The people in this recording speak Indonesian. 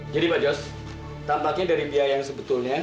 jadi pak jos tampaknya dari biaya yang sebetulnya